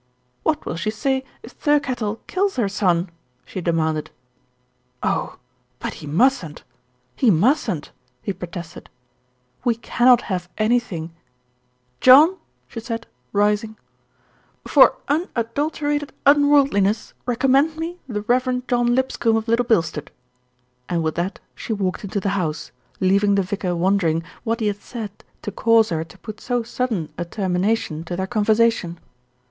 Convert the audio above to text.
"What will she say if Thirkettle kills her son?" she demanded. "Oh! but he mustn't, he mustn't," he protested. "We cannot have anything " "John," she said, rising, "for unadulterated unworld liness recommend me the Rev. John Lipscombe of Little Bilstead," and with that she walked into the house, leaving the vicar wondering what he had said to cause her to put so sudden a termination to their con versation.